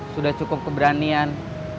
sudah cukup keberanian